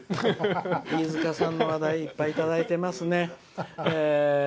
飯塚さんの話題をいっぱいいただいていますね。